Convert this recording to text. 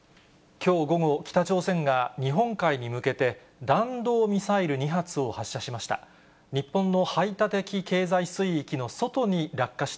きょう午後、北朝鮮が日本海に向けて、弾道ミサイル２発を発射しました。